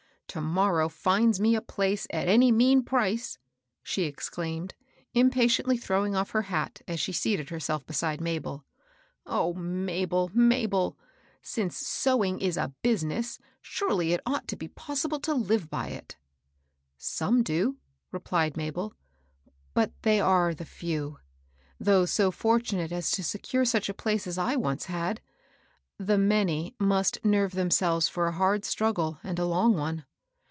" To morrow finds me a place at any mean price !" she exclaimed, impatiently throwing off her hat, as she seated herself beside Mabel. ^^ O Mabel, Mabel ! since sewing is a business^ surely it ought to be possible to live by it I '*" Some do," replied Mabel ;but they are the few, — those so fortunate as to secure such a place as I once had, — the many must nerve themselves for a hard struggle and a long one."